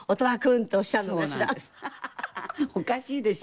おかしいでしょ？